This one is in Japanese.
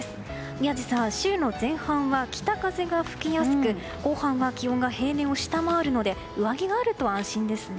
宮司さん、週の前半は北風が吹きやすく後半は気温が平年を下回るので上着があると安心ですね。